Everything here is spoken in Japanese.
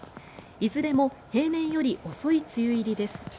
いずれも平年より遅い梅雨入りです。